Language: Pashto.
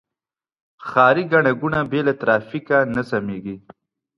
ښاري ګڼه ګوڼه بې له ترافیکه نه سمېږي.